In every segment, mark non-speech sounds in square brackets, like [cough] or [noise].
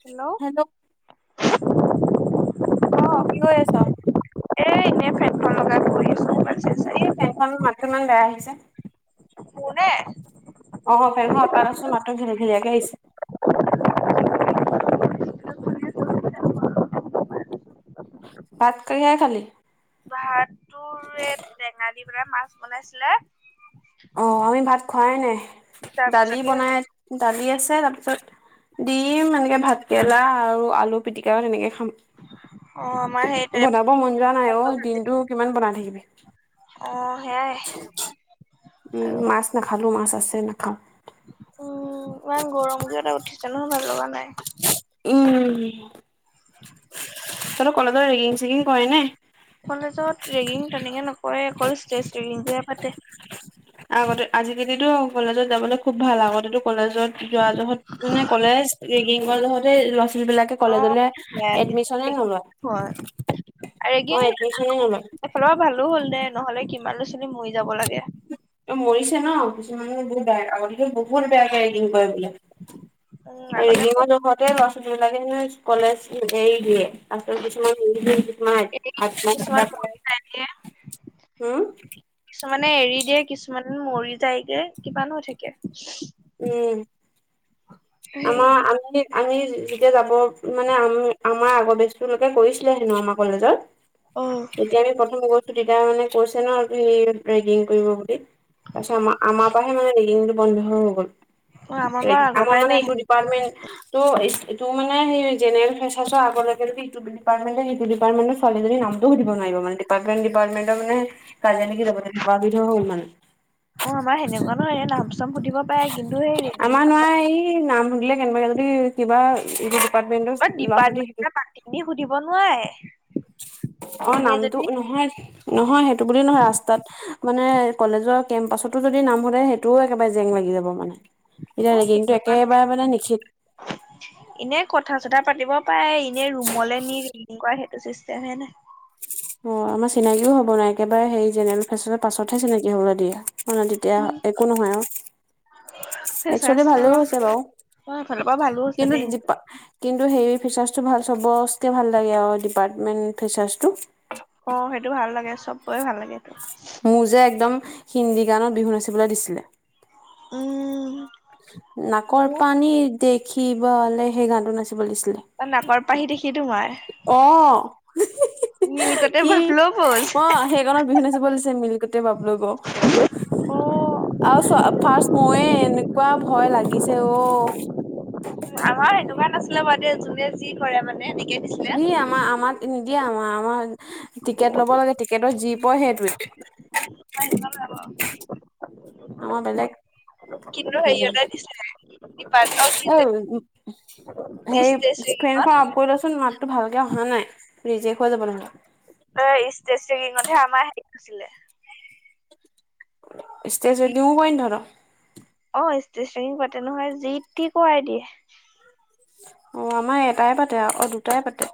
Hello কি কৰি আছ? এ এনে ফানখন লগাই বহি আছো। চাই চাই এই ফেনখন মাতটো ইমান বেয়া আহিছে। পুনে অ', ফেনখন অঁতৰাই লৈছো মাতটো ঘিলি ঘিলিয়াকে আহিছে। [unintelligible] ভাত কিহে খালি? ভাত তোৰ এ টেঙা দি পেলাই মাছ বনাইছিলে। অ', আমি ভাত খোৱাই নাই দালি তাৰপিছতে বনাই দালিয়ে তাৰ পিছত ডিম এনেকে ভাত কেৰেলা আৰু আলু পিটিকা তেনেকে অ আমাৰ সেই বনাব মন যোৱা নাই অ দিনটো কিমান বনাই থাকিবি। অ সেয়াই। উম আৰু মাছ নাখালো মাছ আছে নাখাও। উম ইমান গৰম কিবা এটা উঠিছে নহয় ভাল লগা নাই। উম। তহঁতৰ কলেজৰ ৰেগিং চেগিং কৰে নে? কলেজত ৰেগিং তেনেকে নকৰে অকল ষ্টেজ ৰেগিংটোহে পাতে। আগতে আজিকালিতো কলেজত যাবলৈ খুব ভাল আগতেটো কলেজত যোৱা জহত মানে কলেজ ৰেগিং জহতে লৱা ছোৱালী সেইবিলাকে অ কলেজলে এডমিশনে নলয় হয় অ ৰেগিং এডমিশনে নলয় এফালৰ পৰা ভালো হ'ল দে নহলে কিমান লৰা ছোৱালী মৰি যাব লাগে মৰিছে ন কিছুমানে বহুত বে আগতকে বহুত বেয়াকে ৰেগিং কৰে বোলে। উম আগতে ৰেডিঙ নখতে ল'ৰা ছোৱালী বিলাকে কলেজ এৰি দিয়ে। ত কিছুমান কিছুমান কিছুমান আত্মহত্যা কৰে মৰি যায় যে। হোম মানে এৰি দিয়ে কিছুমান মৰি যায়গে কিবা হৈ থাকে। উম সেই আমাৰ আমি আমি যেতিয়া যাব মানে আম আমাৰ আগৰ বেছটোলৈকে কৰিছিলে হেনো আমাৰ কলেজত। অ এতিয়া আমি প্ৰথম গৈছোঁ তেতিয়া মানে কৈছে ন আৰু তুমি ৰেগিং কৰিব বুলি। তাৰপছত আ আমাৰ পৰাহে মানে ৰেগিংটো বন্ধ হৈ গল। বাৰু আগৰ আমাৰ পৰাই মানে নাই এইটো ডিপাৰ্টমেণ্টটো এইটো মানে সেইে জেনেৰেল ফেচাৰ্চৰ আগেটো ডিপ্টামেণ্ট সেইটো ডিপ্টামেণ্ট ছোৱালীজনীৰ নামটো সুধিব নাই। ডিপ্টামেণ্ট ডিপ্টামেণ্টৰ মানে কাজিয়া লাগি যাব তেনেকোৱাই বিধৰ হ'ল মানে। চ সুধিব পাৰে। কিন্তু সেই ৰেগিং আমাৰ নোৱাৰ নকৰে এই নাম শুধিলে কেনেবাকে যদি কিবা ডিপাৰ্টমেন্টৰ ল'ৰা ছোৱালী সিটো পাতিখিনি সুধিব নোৱাৰে। অ এনে নামটো যদি নহয় নহয় সেইটো বুলি নহয় ৰাস্তাত। মানে কলেজৰ কেম্পাচতো যদি নাম সোধে। তটো একেবাৰে জেং লাগি যাব মানে তেতিয়া অ ৰেগিংটো সেইটোকাৰণ একেবাৰে মানে নিখিত। এনে কথা চটা পাতিব পাৰে এনে ৰুমলৈ নি ৰেগিং কৰা সেইটো চিষ্টেম হে নাই। অ আমাৰ চিনাকিও হ'ব নাই একেবাৰে সেই জেনেৰেল ফেচাৰ্চৰ পাছতহে চিনাকি হ'বলে দিয়ে। হয় ন তেতিয়া উম একো নহয় আৰু একচুৱেলি ফেচাৰ্চ ভালেও অলপ হৈছে বাৰু অ এইফালৰ পৰা ভালো হৈছে কিন্তু দেই সেইটো কিন্তু সেই ফিচ্বচটো ভাল। চবতকে ভাল লাগে আৰু ডিপাৰ্টমেন্ট ফাচেৱাস্তটো। অ সেইটো ভাল লাগে চবয়ে ভাল লাগেটো। মুজে একদম হিন্দী গানত বিহু নাচিবলে দিছিলে। উম নাকৰ মোৰ পানী দেখিবলে সেই গানটো নাছিল। ত নাগৰ পাহি দেখি। তোমাৰ অ নীলকতে কি বাফ্লো প'জ অ সেইকণত বিহু নাচিব লৈছে মিলি গোতে বাবলু গ অ' আৰু চোৱা ফাৰ্ষ্ট ময়ে কোৱা ভয় লাগিছে অ আমাৰ সনেকুৱা নাছিলে বাৰু দেই যোনে যি কৰে মানে দিছিলে। সি আমাৰ আমাক নিদিয়ে আমাৰ আৰ টিকেট ল'ব লাগে টিকেটৰ যি পয় সেইটোৱে আমাৰ সেনেকুৱা নাই বাৰু আমাৰ বেলেগ কিন্তু সকাৰ হেৰিয়তে দিছিলে ডিপাৰ্ট অ' কি এ যে উ হেই ষ্টেজ ফেন ৰেগিঙত খন অফ কৰি লচোন মাত টো ভালকে অহা নাই ৰেজেক্ট হৈ যাব নহলে। এই ষ্টেছগিঙতহে আমাৰ হেছিলে ষ্টেজত দিওঁ পই ধৰ তহঁতৰ। অ ষ্টেচিং পাতে নহয় যিটি কৰাই দিয়ে। অ আমাৰ এটাই পাতে অ দুটাই পাতে।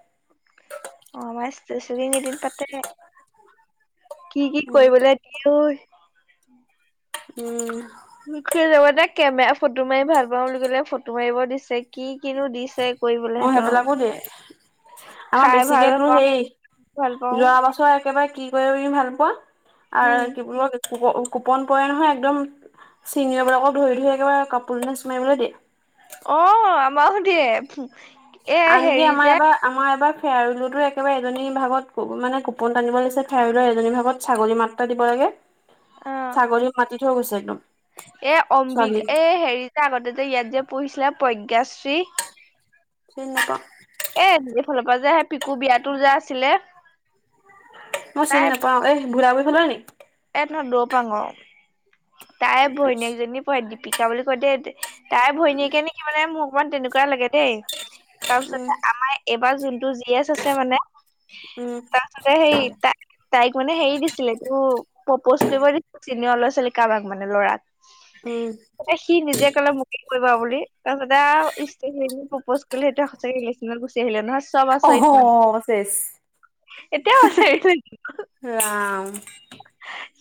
[unintelligible] কি কি উম কৰিবলৈ দিয়ে ঐ। উম কেমেৰা ফটো মাৰি ভাল পাওঁ বুলি ক'লে ফটো মাৰিব দিছে। কি কিনো দিছে অ কৰিবলে সেইবিলাকো হেতক দিয়ে আমাৰ বেছিকে তো সেই ভাল পাওঁ যোৱা বছৰ একেবাৰে কি। কৰি ভাল পোৱা আৰু উম। কি বুলি ক কুপন পৰেই নহয় একদম। চিনিয়ৰবিলাকক ধৰি ধৰি একেবাৰে কাপোৰ এ চোমাৰিবলৈ দিয়া। অ আমাৰও দিয়ে এ আনকি হেৰি আমাৰ যে এবাৰ আমাৰ এবাৰ ফিয়াৰৱেলতো একেবাৰে এজনী ভাগত মানে কুপন তানিব লাগিছে ফেয়াৰৱেলত এজনী ভাগত ছাগলী মাত্ৰা দিব লাগ লাগে অ', ছাগলী মাতি থৈ গৈছো একদম এ ছোৱালীক অম্বিকা এই হেৰি যে আগতে যে ইয়াত যে পঢ়িছিলে প্ৰজ্ঞাশ্ৰী চিনি নাপাওঁ এ এফালৰ পৰা যে আহে পিকুৰ বিয়াতো যে আছিলে মই তাই চিনি নাপাওঁ এ ভোলাগুৰি ফালৰ নি ন দৌ পাংঙ তাই ভনীয়েকজনী পঢ়ে দীপিকা বুলি কয় দে তাই ভৈনীয়েকে নেকি মানে মোৰ অকমান তেনেকুৱাই লাগে দেই উম তাৰপিছতে আমাৰ এইবাৰ যোনটো জি এচ আছে মানে উম তাৰপিছতে সেই তাই তাইক মানে হেৰি দিছিলে তো প্ৰপ'জ কৰিব দিছো চিনিয়ৰ ল'ৰা-ছোৱালী কাৰোবাক মানে ল'ৰাক উম সি নিজে কলে মোকে কৰিবা বুলি তাৰপিছত আৱ প্ৰপজ কৰিলো সেইদিনা সচাকে ৰিলেশ্যনত আছে চব অহ আচৰিত মানে চেছ এতিয়াও আছে ৰাম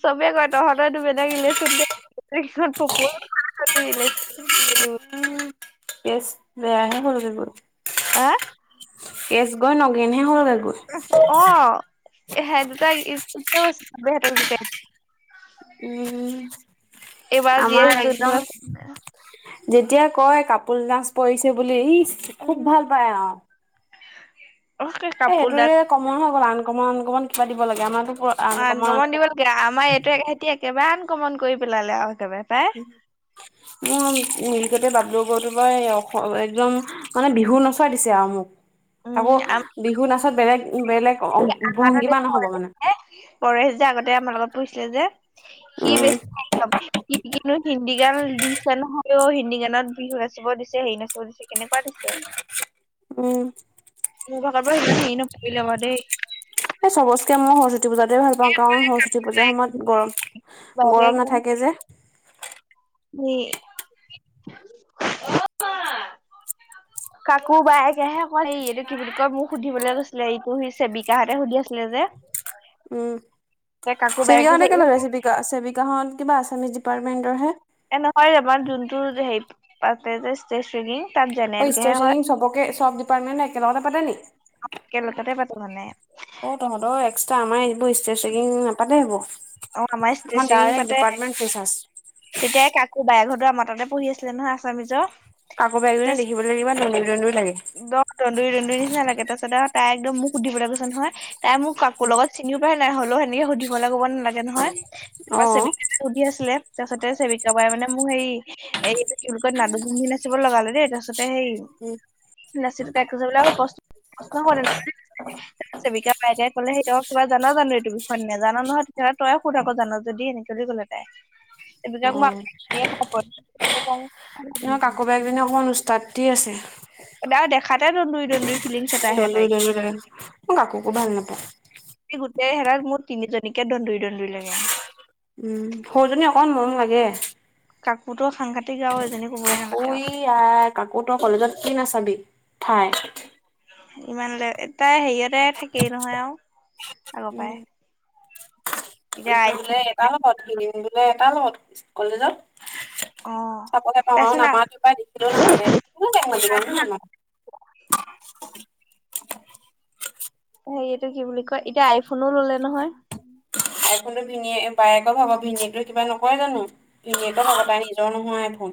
চবে কয় তহঁতৰ এইতো বেলেগ ৰিলেশ্যন দে গোটেই কেইখন প্ৰ'পছ কৰা [unintelligible] কেছ বেয়া হে হলগে গৈ আহ কেচগৈ নগেনহে হলগে গৈ সেত দুটা স্কুতিতে গৈছে চবে সেতক জুকাই উম এইবাৰ জি আমাৰ এছ যোনটো একদম আছে যেতিয়া কয় কাপোল দানচ পৰিছে বুলি ইচ খুব উম ভাল পায় আৱ [unintelligible] এ কাপোৰ দাল সেইটোৰে কমন হৈ গল আন কমন আন কমন কিবা দিব লাগে আমাৰতো আনকমন দিব লাগে, আমাৰ এইটো এক খেতি একেবাৰে আন কমন কৰি পেলালে আৱ। উম নিলকটে বাট লগত পৰা একদম মানে বিহু নচোৱাই দিছে আৰু মোক। আকৌ উম আমাৰ বিহু নাচত বেলেগ বেলেগ আমাৰ উপভংগী তাত এই মা নহব পৰেশ মানে যে পৰেশ যে আগতে আমাৰ লগত পঢ়িছিলে যে সি উম বেছি একদম সি কিন্তু হিন্দী গান দিছে নহয় ইয় হিন্দী গানত বিহু নাচিব দিছে হেৰি নাচিব দিছে কেনেকুৱা দিছে উম মোৰ ভাগত বাৰু সিমান হেৰি নপৰিলে বাঅ দেই এ চবতকে মই সৰস্বতী পূজাতে ভাল পাওঁ কাৰণ সৰস্বতী পূজাৰ সময়ত গৰম বায়েকে গৰম নাথাকে যে সেই [unintelligible] কাকো বাইকেহে কয় এইটো কি বুলি কয় মোক সুধিবলে গৈছিলে এইটো সি চেবিকাহঁতে সুধি আছিলে যে উম তে কাকো বায়েকে চেৱিকা হতে কৈছে কেলে এই গৈছিলে চেৱিকা চেৱিকা হত কিবা আছামিছ ডিপাৰ্টমেন্টৰ হে এ নহয় আমাৰ যোনটো হেৰি পাতে যে ষ্ট্ৰেচ শ্ৰেণী অ ষ্ট্ৰেচেনিং সবকে চব ডিপাৰ্টমেণ্ট একেলগতে পাতে নি। একেলগতে পাতে মানে অ তহঁতৰ এক্সট্ৰ আমাৰ এইবোৰ ষ্ট্ৰেচেনিং নাপাতে সেইবোৰ। অ আমাৰ ষ্ট্ৰেচেয়িং ডাইৰেক্ট ডিপাৰ্টমেণ্ট ফেচাৰ্ছ পাতে তেতিয়াই কাকো বায়ে ঘত তৰা মাতাটোয়ে পঢ়ি আছিলে নহয় আছামিজৰ। আকো বাইজনী দেখিব কিবা দন্দুৰি দন্দু দহ- দন্দুৰী -দন্দুৰী নিচিনা লাগে তাৰ পছত আৰু তাই একদম মুখ সুধিবলৈ কৈছে নহয় তাই মোক কাকো লগত চিনিও পাই নাই হ'লেও সেনেকে সুধিব লাগ ক'ব নালাগে নহয়। অ ত সুধি আছিলে। তাৰপাছতে ছেৱিকা বাই মানে মোক হেৰি এই কি বুলি কয় নাদুমহিচিব লগালে দেই তাৰপিছত সেই নচিটো ত এক চৌ প্ৰ্ প্ৰশ্ন কৰে ন [inaudible] ছেৱিকা বাইদেও কলে সেইটো বিষয়ে জান জানো নেজান নহয় তেতিয়াহলে তই সুধ আক জান যদি এনেকে। চলি গলে তাই, এইবাক মই [inaudible] কাকো বাইজনী অকমান উস্তাদি আছে। দা দেখাতে দন্দুৰি- দন্দুৰি। দন্দুৰি- দন্দুৰি লাগে, মই কাকো ভাল নাপাওঁ। দে হেৰাল মোৰ তিনিজনীকে দন্দুৰি -দন্দুৰি লাগে। উম সৰুজনী অকণ মৰম লাগে। কাকোৰতো সাংঘাতিক আৰু এজনী ক'বই কাকো নালাগে আৰু ই আহ কাকো তই কলেজত কি নাচাবি ঠাই। ইমান লে তাই হেৰিয়তে থাকেই নহয় আৰু আগৰ পৰাই। এতিয়া এদিন বোলে আইফোন এটা লগত, সিদিন বোলে এটা লগত কলেজত। অ চাবহে পাওঁ তাৰচোন নামাতো পাই দেখিলেও নামাগে কোনটোৱে মোক মাতিব মইয়ো তাৰচোন নামাতো। [inaudible] হেৰিয়টো কি বুলি কয় এতিয়া আইফোনো ললে নহয়? আইফোনটো ভিন বায়েকে ভাগ ভিনিয়েকে কিবা নকয় জানো? ভিনিয়েকৰ ভাগ তাই নিজৰ নহয় আইফোন।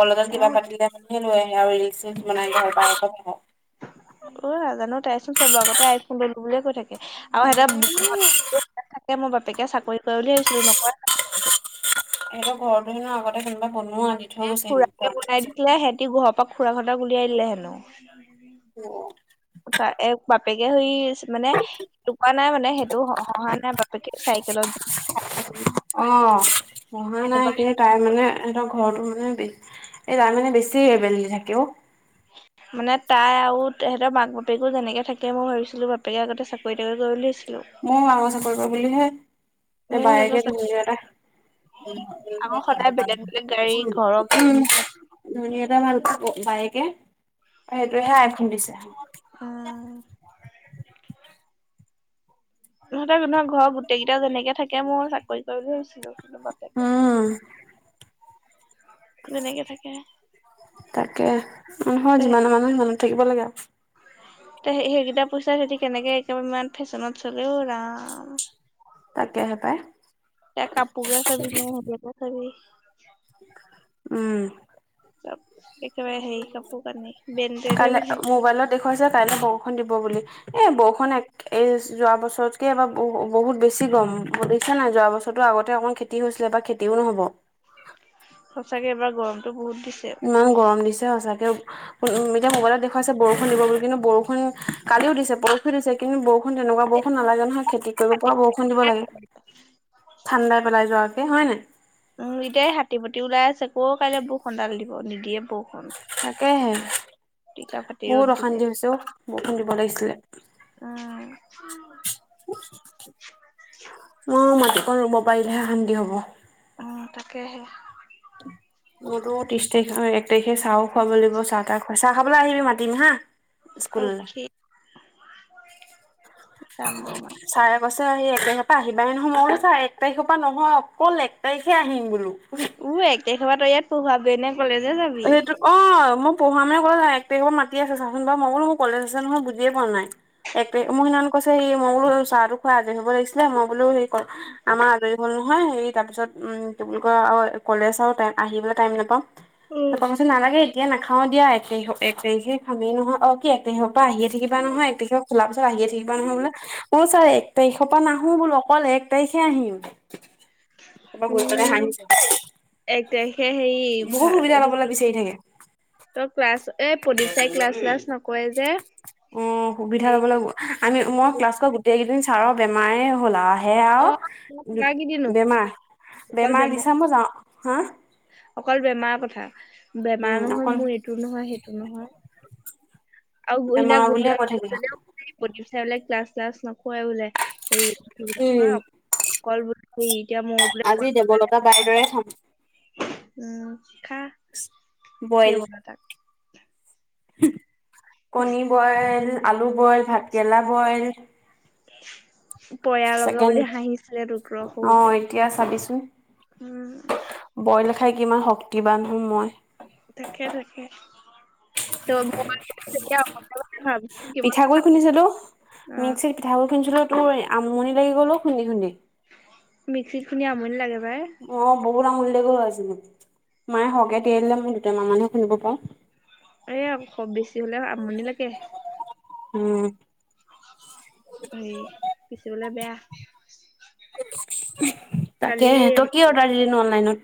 কলেজত কিবা উম পাতিলে মানুহে লৈ আহে আৰু ৰিলচ চিল বনাই [inaudible] অ নাজানো তাইচোন চবৰ আগতে আইফোন ললো বুলিয়ে কৈ আৰু থাকে সেত উম [inaudible] থাকে মোৰ বাপেকে -চাকৰি কৰে বুলি ভাবিছিলোঁ নকৰে। হেন আগতে কোনোবা বনোৱা দি থৈ এ গৈছে হেনো খুৰাকে পুৰণা বনাই দিছিলে, পইচা সিহঁতি ঘৰৰ পৰা খুৰাকক উলিয়াই দিলে হেনো। অ। তা এক বাপেকে হৈছ মানে সেটো কোৱা নাই মানে সেইটো হহাঁ নাই বাপেকে চাইকেলত অ হহা নাই এনেকুৱাহে কিন্তু তাই মানে ঘৰো মানে এই তাৰ মানে বেছি লেবেল দি থাকে অ মানে তাই আৰু তেহঁতৰ মাক বাপেকো যেনেকৈ থাকে মই ভাবিছিলোঁ বাপেকে আগতে চাকৰি- তাকৰি কৰি লিছিল। মোৰ গাঙৰ চাকৰি কৰ বুলিহে এ মোৰ সেনেকুৱা বায়েকে ধুম চাকৰি এটা [inaudible] উম আকৌ ধটা সদায় বেলেগ বেলেগ গাড়ী ঘৰৰ গাড়ী নিচিনা ভাল [unintelligible] বায়েকে, সেইটোয়ে হে আইফোন দিছে। আহ। সিহঁতৰ ঘৰ গোটেই কেইটা যেনেকে থাকে মই চাকৰি কৰে বুলি ভাবিছিলো। মতেক [inaudible] উম তাকে, মানুহৰ যিমানে মানুহ সিমানত থাকিব লাগে আৰু। সেইকেইটা পইচা সিতি কেনেকে একেবাৰে ইমান ফেশ্বনত চলেও ৰাম! তাকেহে পায়। এ কাপোৰোকে চাবি ন সেহতলোকক চাবি? উম ত একেবাৰে সেই কাপোৰ কা কাইলৈ মোবাইলত দেখুৱাইছে কাইলৈ বৰষুণ দিব বুলি, এ বৰষুন আ এই যোৱা বছৰতকে এবাৰ বহু -বহুত বেছি গৰম পছে নাই যোৱা বছৰতো আগতে অকণমান খেতি হৈছিলে। বা খেতিও নহ'ব। সঁচাকে এবাৰ গৰমটো বহুত। দিছে। ইমান গৰম দিছে সচাকে। উম এতিয়া মোবাইলত দেখুৱাইছে বৰষুণ দিব বুলি কিন্তু বৰষুণ কালি ও দিছে পৰহিও দিছে কিন্তু বৰষুণ এনেকুৱা বৰষুণ নালাগে নহয় খেতি কৰিব পৰা বৰষুণ দিব লাগে ঠাণ্ডাই পেলাই যোৱাকে হয় নাই চকৌ কাইলে বৰষুণণ্ডাল দিব নিদিয়ে বৰষুণ তাকেহে টিকা ফাটি বহুত ৰ'দ দিব অশান্তি হৈছে অ বৰষুণ দিব লাগিছিলে উম অ মাটিকণ ৰুব পাৰিলেহে শান্তি হ'ব উম তাকেহে উম [inaudible] মই তো ত্ৰিশ তাৰিখ এক তাৰিখে চাহও খুৱাব লাগিব চাহ তাহ খুৱ চাহ খাবলৈ আহিবি মাতিম হা স্কুল ৰখি যাম বাৰু মই ছাৰ অ সেই এক তাৰিখৰ পৰা আহিবাই নহয় ছাৰ এক তাৰিখৰ পৰা নহয় অকল এক তাৰিখে আহিম বোলো উও এক তাৰিখৰ তই ইয়াত পঢ়াবৈ নে? কলেজে যাবি? সেইটো অ মোক পঢ়া মান ক এক তাৰিখৰ মা আ চাচোন মই বোলো কলেজ আছে নহয় বুজিয়ে পোৱা নাই এক তাৰিখ মোক সেইদিনা কৈছে সি মই বোলো চাহ খোৱা আজৰি হব লাগিছিলে মই বোলো সেই আমাৰ আজৰি হল নহয় হে তাৰ পিছত উম কি বুলি কয়, আৰু কলেজ আৰু টাইম আহিবলৈ টাইম নাপাওঁ। তাৰপৰা পাছত নালাগে এতিয়া নাখাও দিয়া একেই হ এক তিখে খামেই নহয় আৰু কি একেই হওক। পৰা আহিয়ে থাকিবা নহয় এক তাৰিখত খোলাৰ পিছত আহিয়ে থাকিবা নহয় বোলে ' ছাৰে এক তাৰিখৰ পৰা নাহো বোলো অকল এক তাৰিখে ‌আহিম উম এক তাৰখে হেৰি বহুত ভ সুবিধা ল'বলৈ বিচাৰি থাকে। তই ক্লাছ এই প্ৰদীপ ছাই ক্লাছ্লাছ নকৰে যে অ সুবিধা লব লাগিব আমি মই হেৰি ক্লাছ কৰা গোটেই কেইদিন ছাৰৰ বেমাৰে হ'ল আৰু সেয়া অ কিনো আৰু বেমাৰ বেমাৰ দিছে মই যাওঁ হা অকল বেমাৰ কথা বেমাৰ উম নহয় অকল মোৰ এইটো নহয় সেইটো নহয় আৰু গহিনা বেমাৰ বুলিয়ে কৈ গোৱাও থাকিলা চাই বোলে ক্লাছ চ্লাছ নকৰাই বোলে হেৰি উ হ উম কল বুদ্বি এতিয়া মই বোলে আজি কল দেৱলতা বাই দৰে খাম উম খা বইল দেল তাক কণী, বইল আলু বইল, ভাতকৰেলা বইল। পয়াৰ লগা ছেকেণ্ড বুলি হাঁহিছিলে তোক ৰ অ সৰুতে। এতিয়া চাবিচোন উম বইল খাই কিমান শক্তিবান হ মই তাকে থাকে ত মই ভাব পিঠাগুডৰি খুন্দিছিঁলো মিক্সিত পিঠাগু খুন্দিছিঁলো তোৰ আমনি লাগি গ'ল ও খুন্দি খুন্দি মিক্সিত খিনি আমনি লাগে পাই অ বহুত আমনি মায়ে সৰহকে তিয়াই দিলে মই দুটামান খুন্দিব পাওঁ। এইয়া খুব বেছি হলে আমনি লাগে উম হ পিচিবলৈ বেয়া কালি তাকেহে তই কি অৰ্ডাৰ দিলি নো অনলাইনত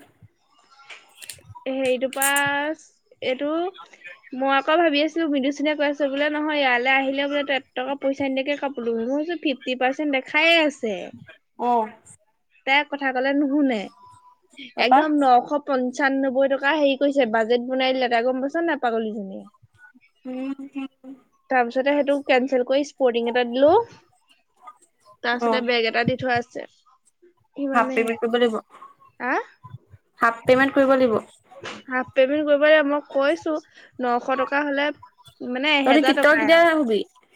হেৰিটো পৰা এইটো মই আকৌ ভাবি আছিলোঁ মন্দু চিনে কৈ আছে বোলে ইয়ালৈ আহিলে বোলে তই এটকা পইচা নিদিয়াকে কাপোৰো মই ফ্ৰিৰি ফিফটি পাৰ্চেন্ট দেখাইে আছে অ তাই কথা ক'লে নুশুনে তাৰপা একদম নশ প পচান্নব্বৈ টকা হেৰি কৰিছে বাজেট বনাই দিলে এই গম পাইছে নে পাগলীজনীয়ে উম উম তাৰ পিছতে সেইটো কেনচেল কৰি স্পৰ্টিং এটা দিলো তাৰ অ পিছতে বেগ এটা দি থোৱা আছে হাফ সিমানেহে পেমেণ্ট কৰিব লাগিব হা হাফ পেমেণ্ট কৰিব লাগিব। হাফ পেমেন্ট কৰিব লাগিব মই কৈছো, নশ টকা হ'লে মানে তহঁতি তই এহেজাৰ টকাই কেতিয়া আৰু শুবি